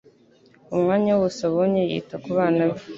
Umwanya wose abonye yita ku bana be